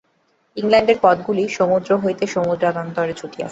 ইংলণ্ডের পথগুলি সমুদ্র হইতে সমুদ্রান্তরে ছুটিয়াছে।